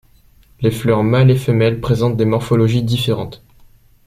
Les fleurs mâles et femelles présentent des morphologies différentes.